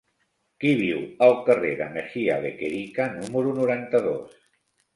Qui viu al carrer de Mejía Lequerica número noranta-dos?